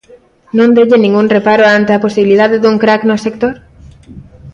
¿Non teñen ningún reparo ante a posibilidade dun crac no sector?